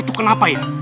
itu kenapa ya